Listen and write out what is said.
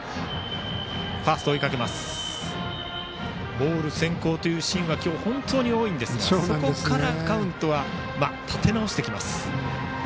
ボール先行というシーンが今日本当に多いですがそこからカウントは立て直してきます。